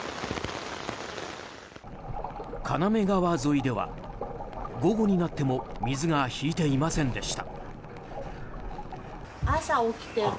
金目川沿いでは午後になっても水が引いていませんでした。